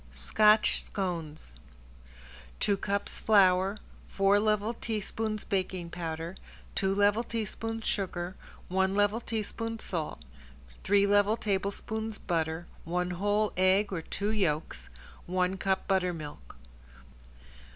~SCOTCH SCONES~ Two cups flour, four level teaspoons baking powder, two level tablespoons sugar, one level teaspoon salt, three level tablespoons butter, one whole egg or two yolks, one cup buttermilk.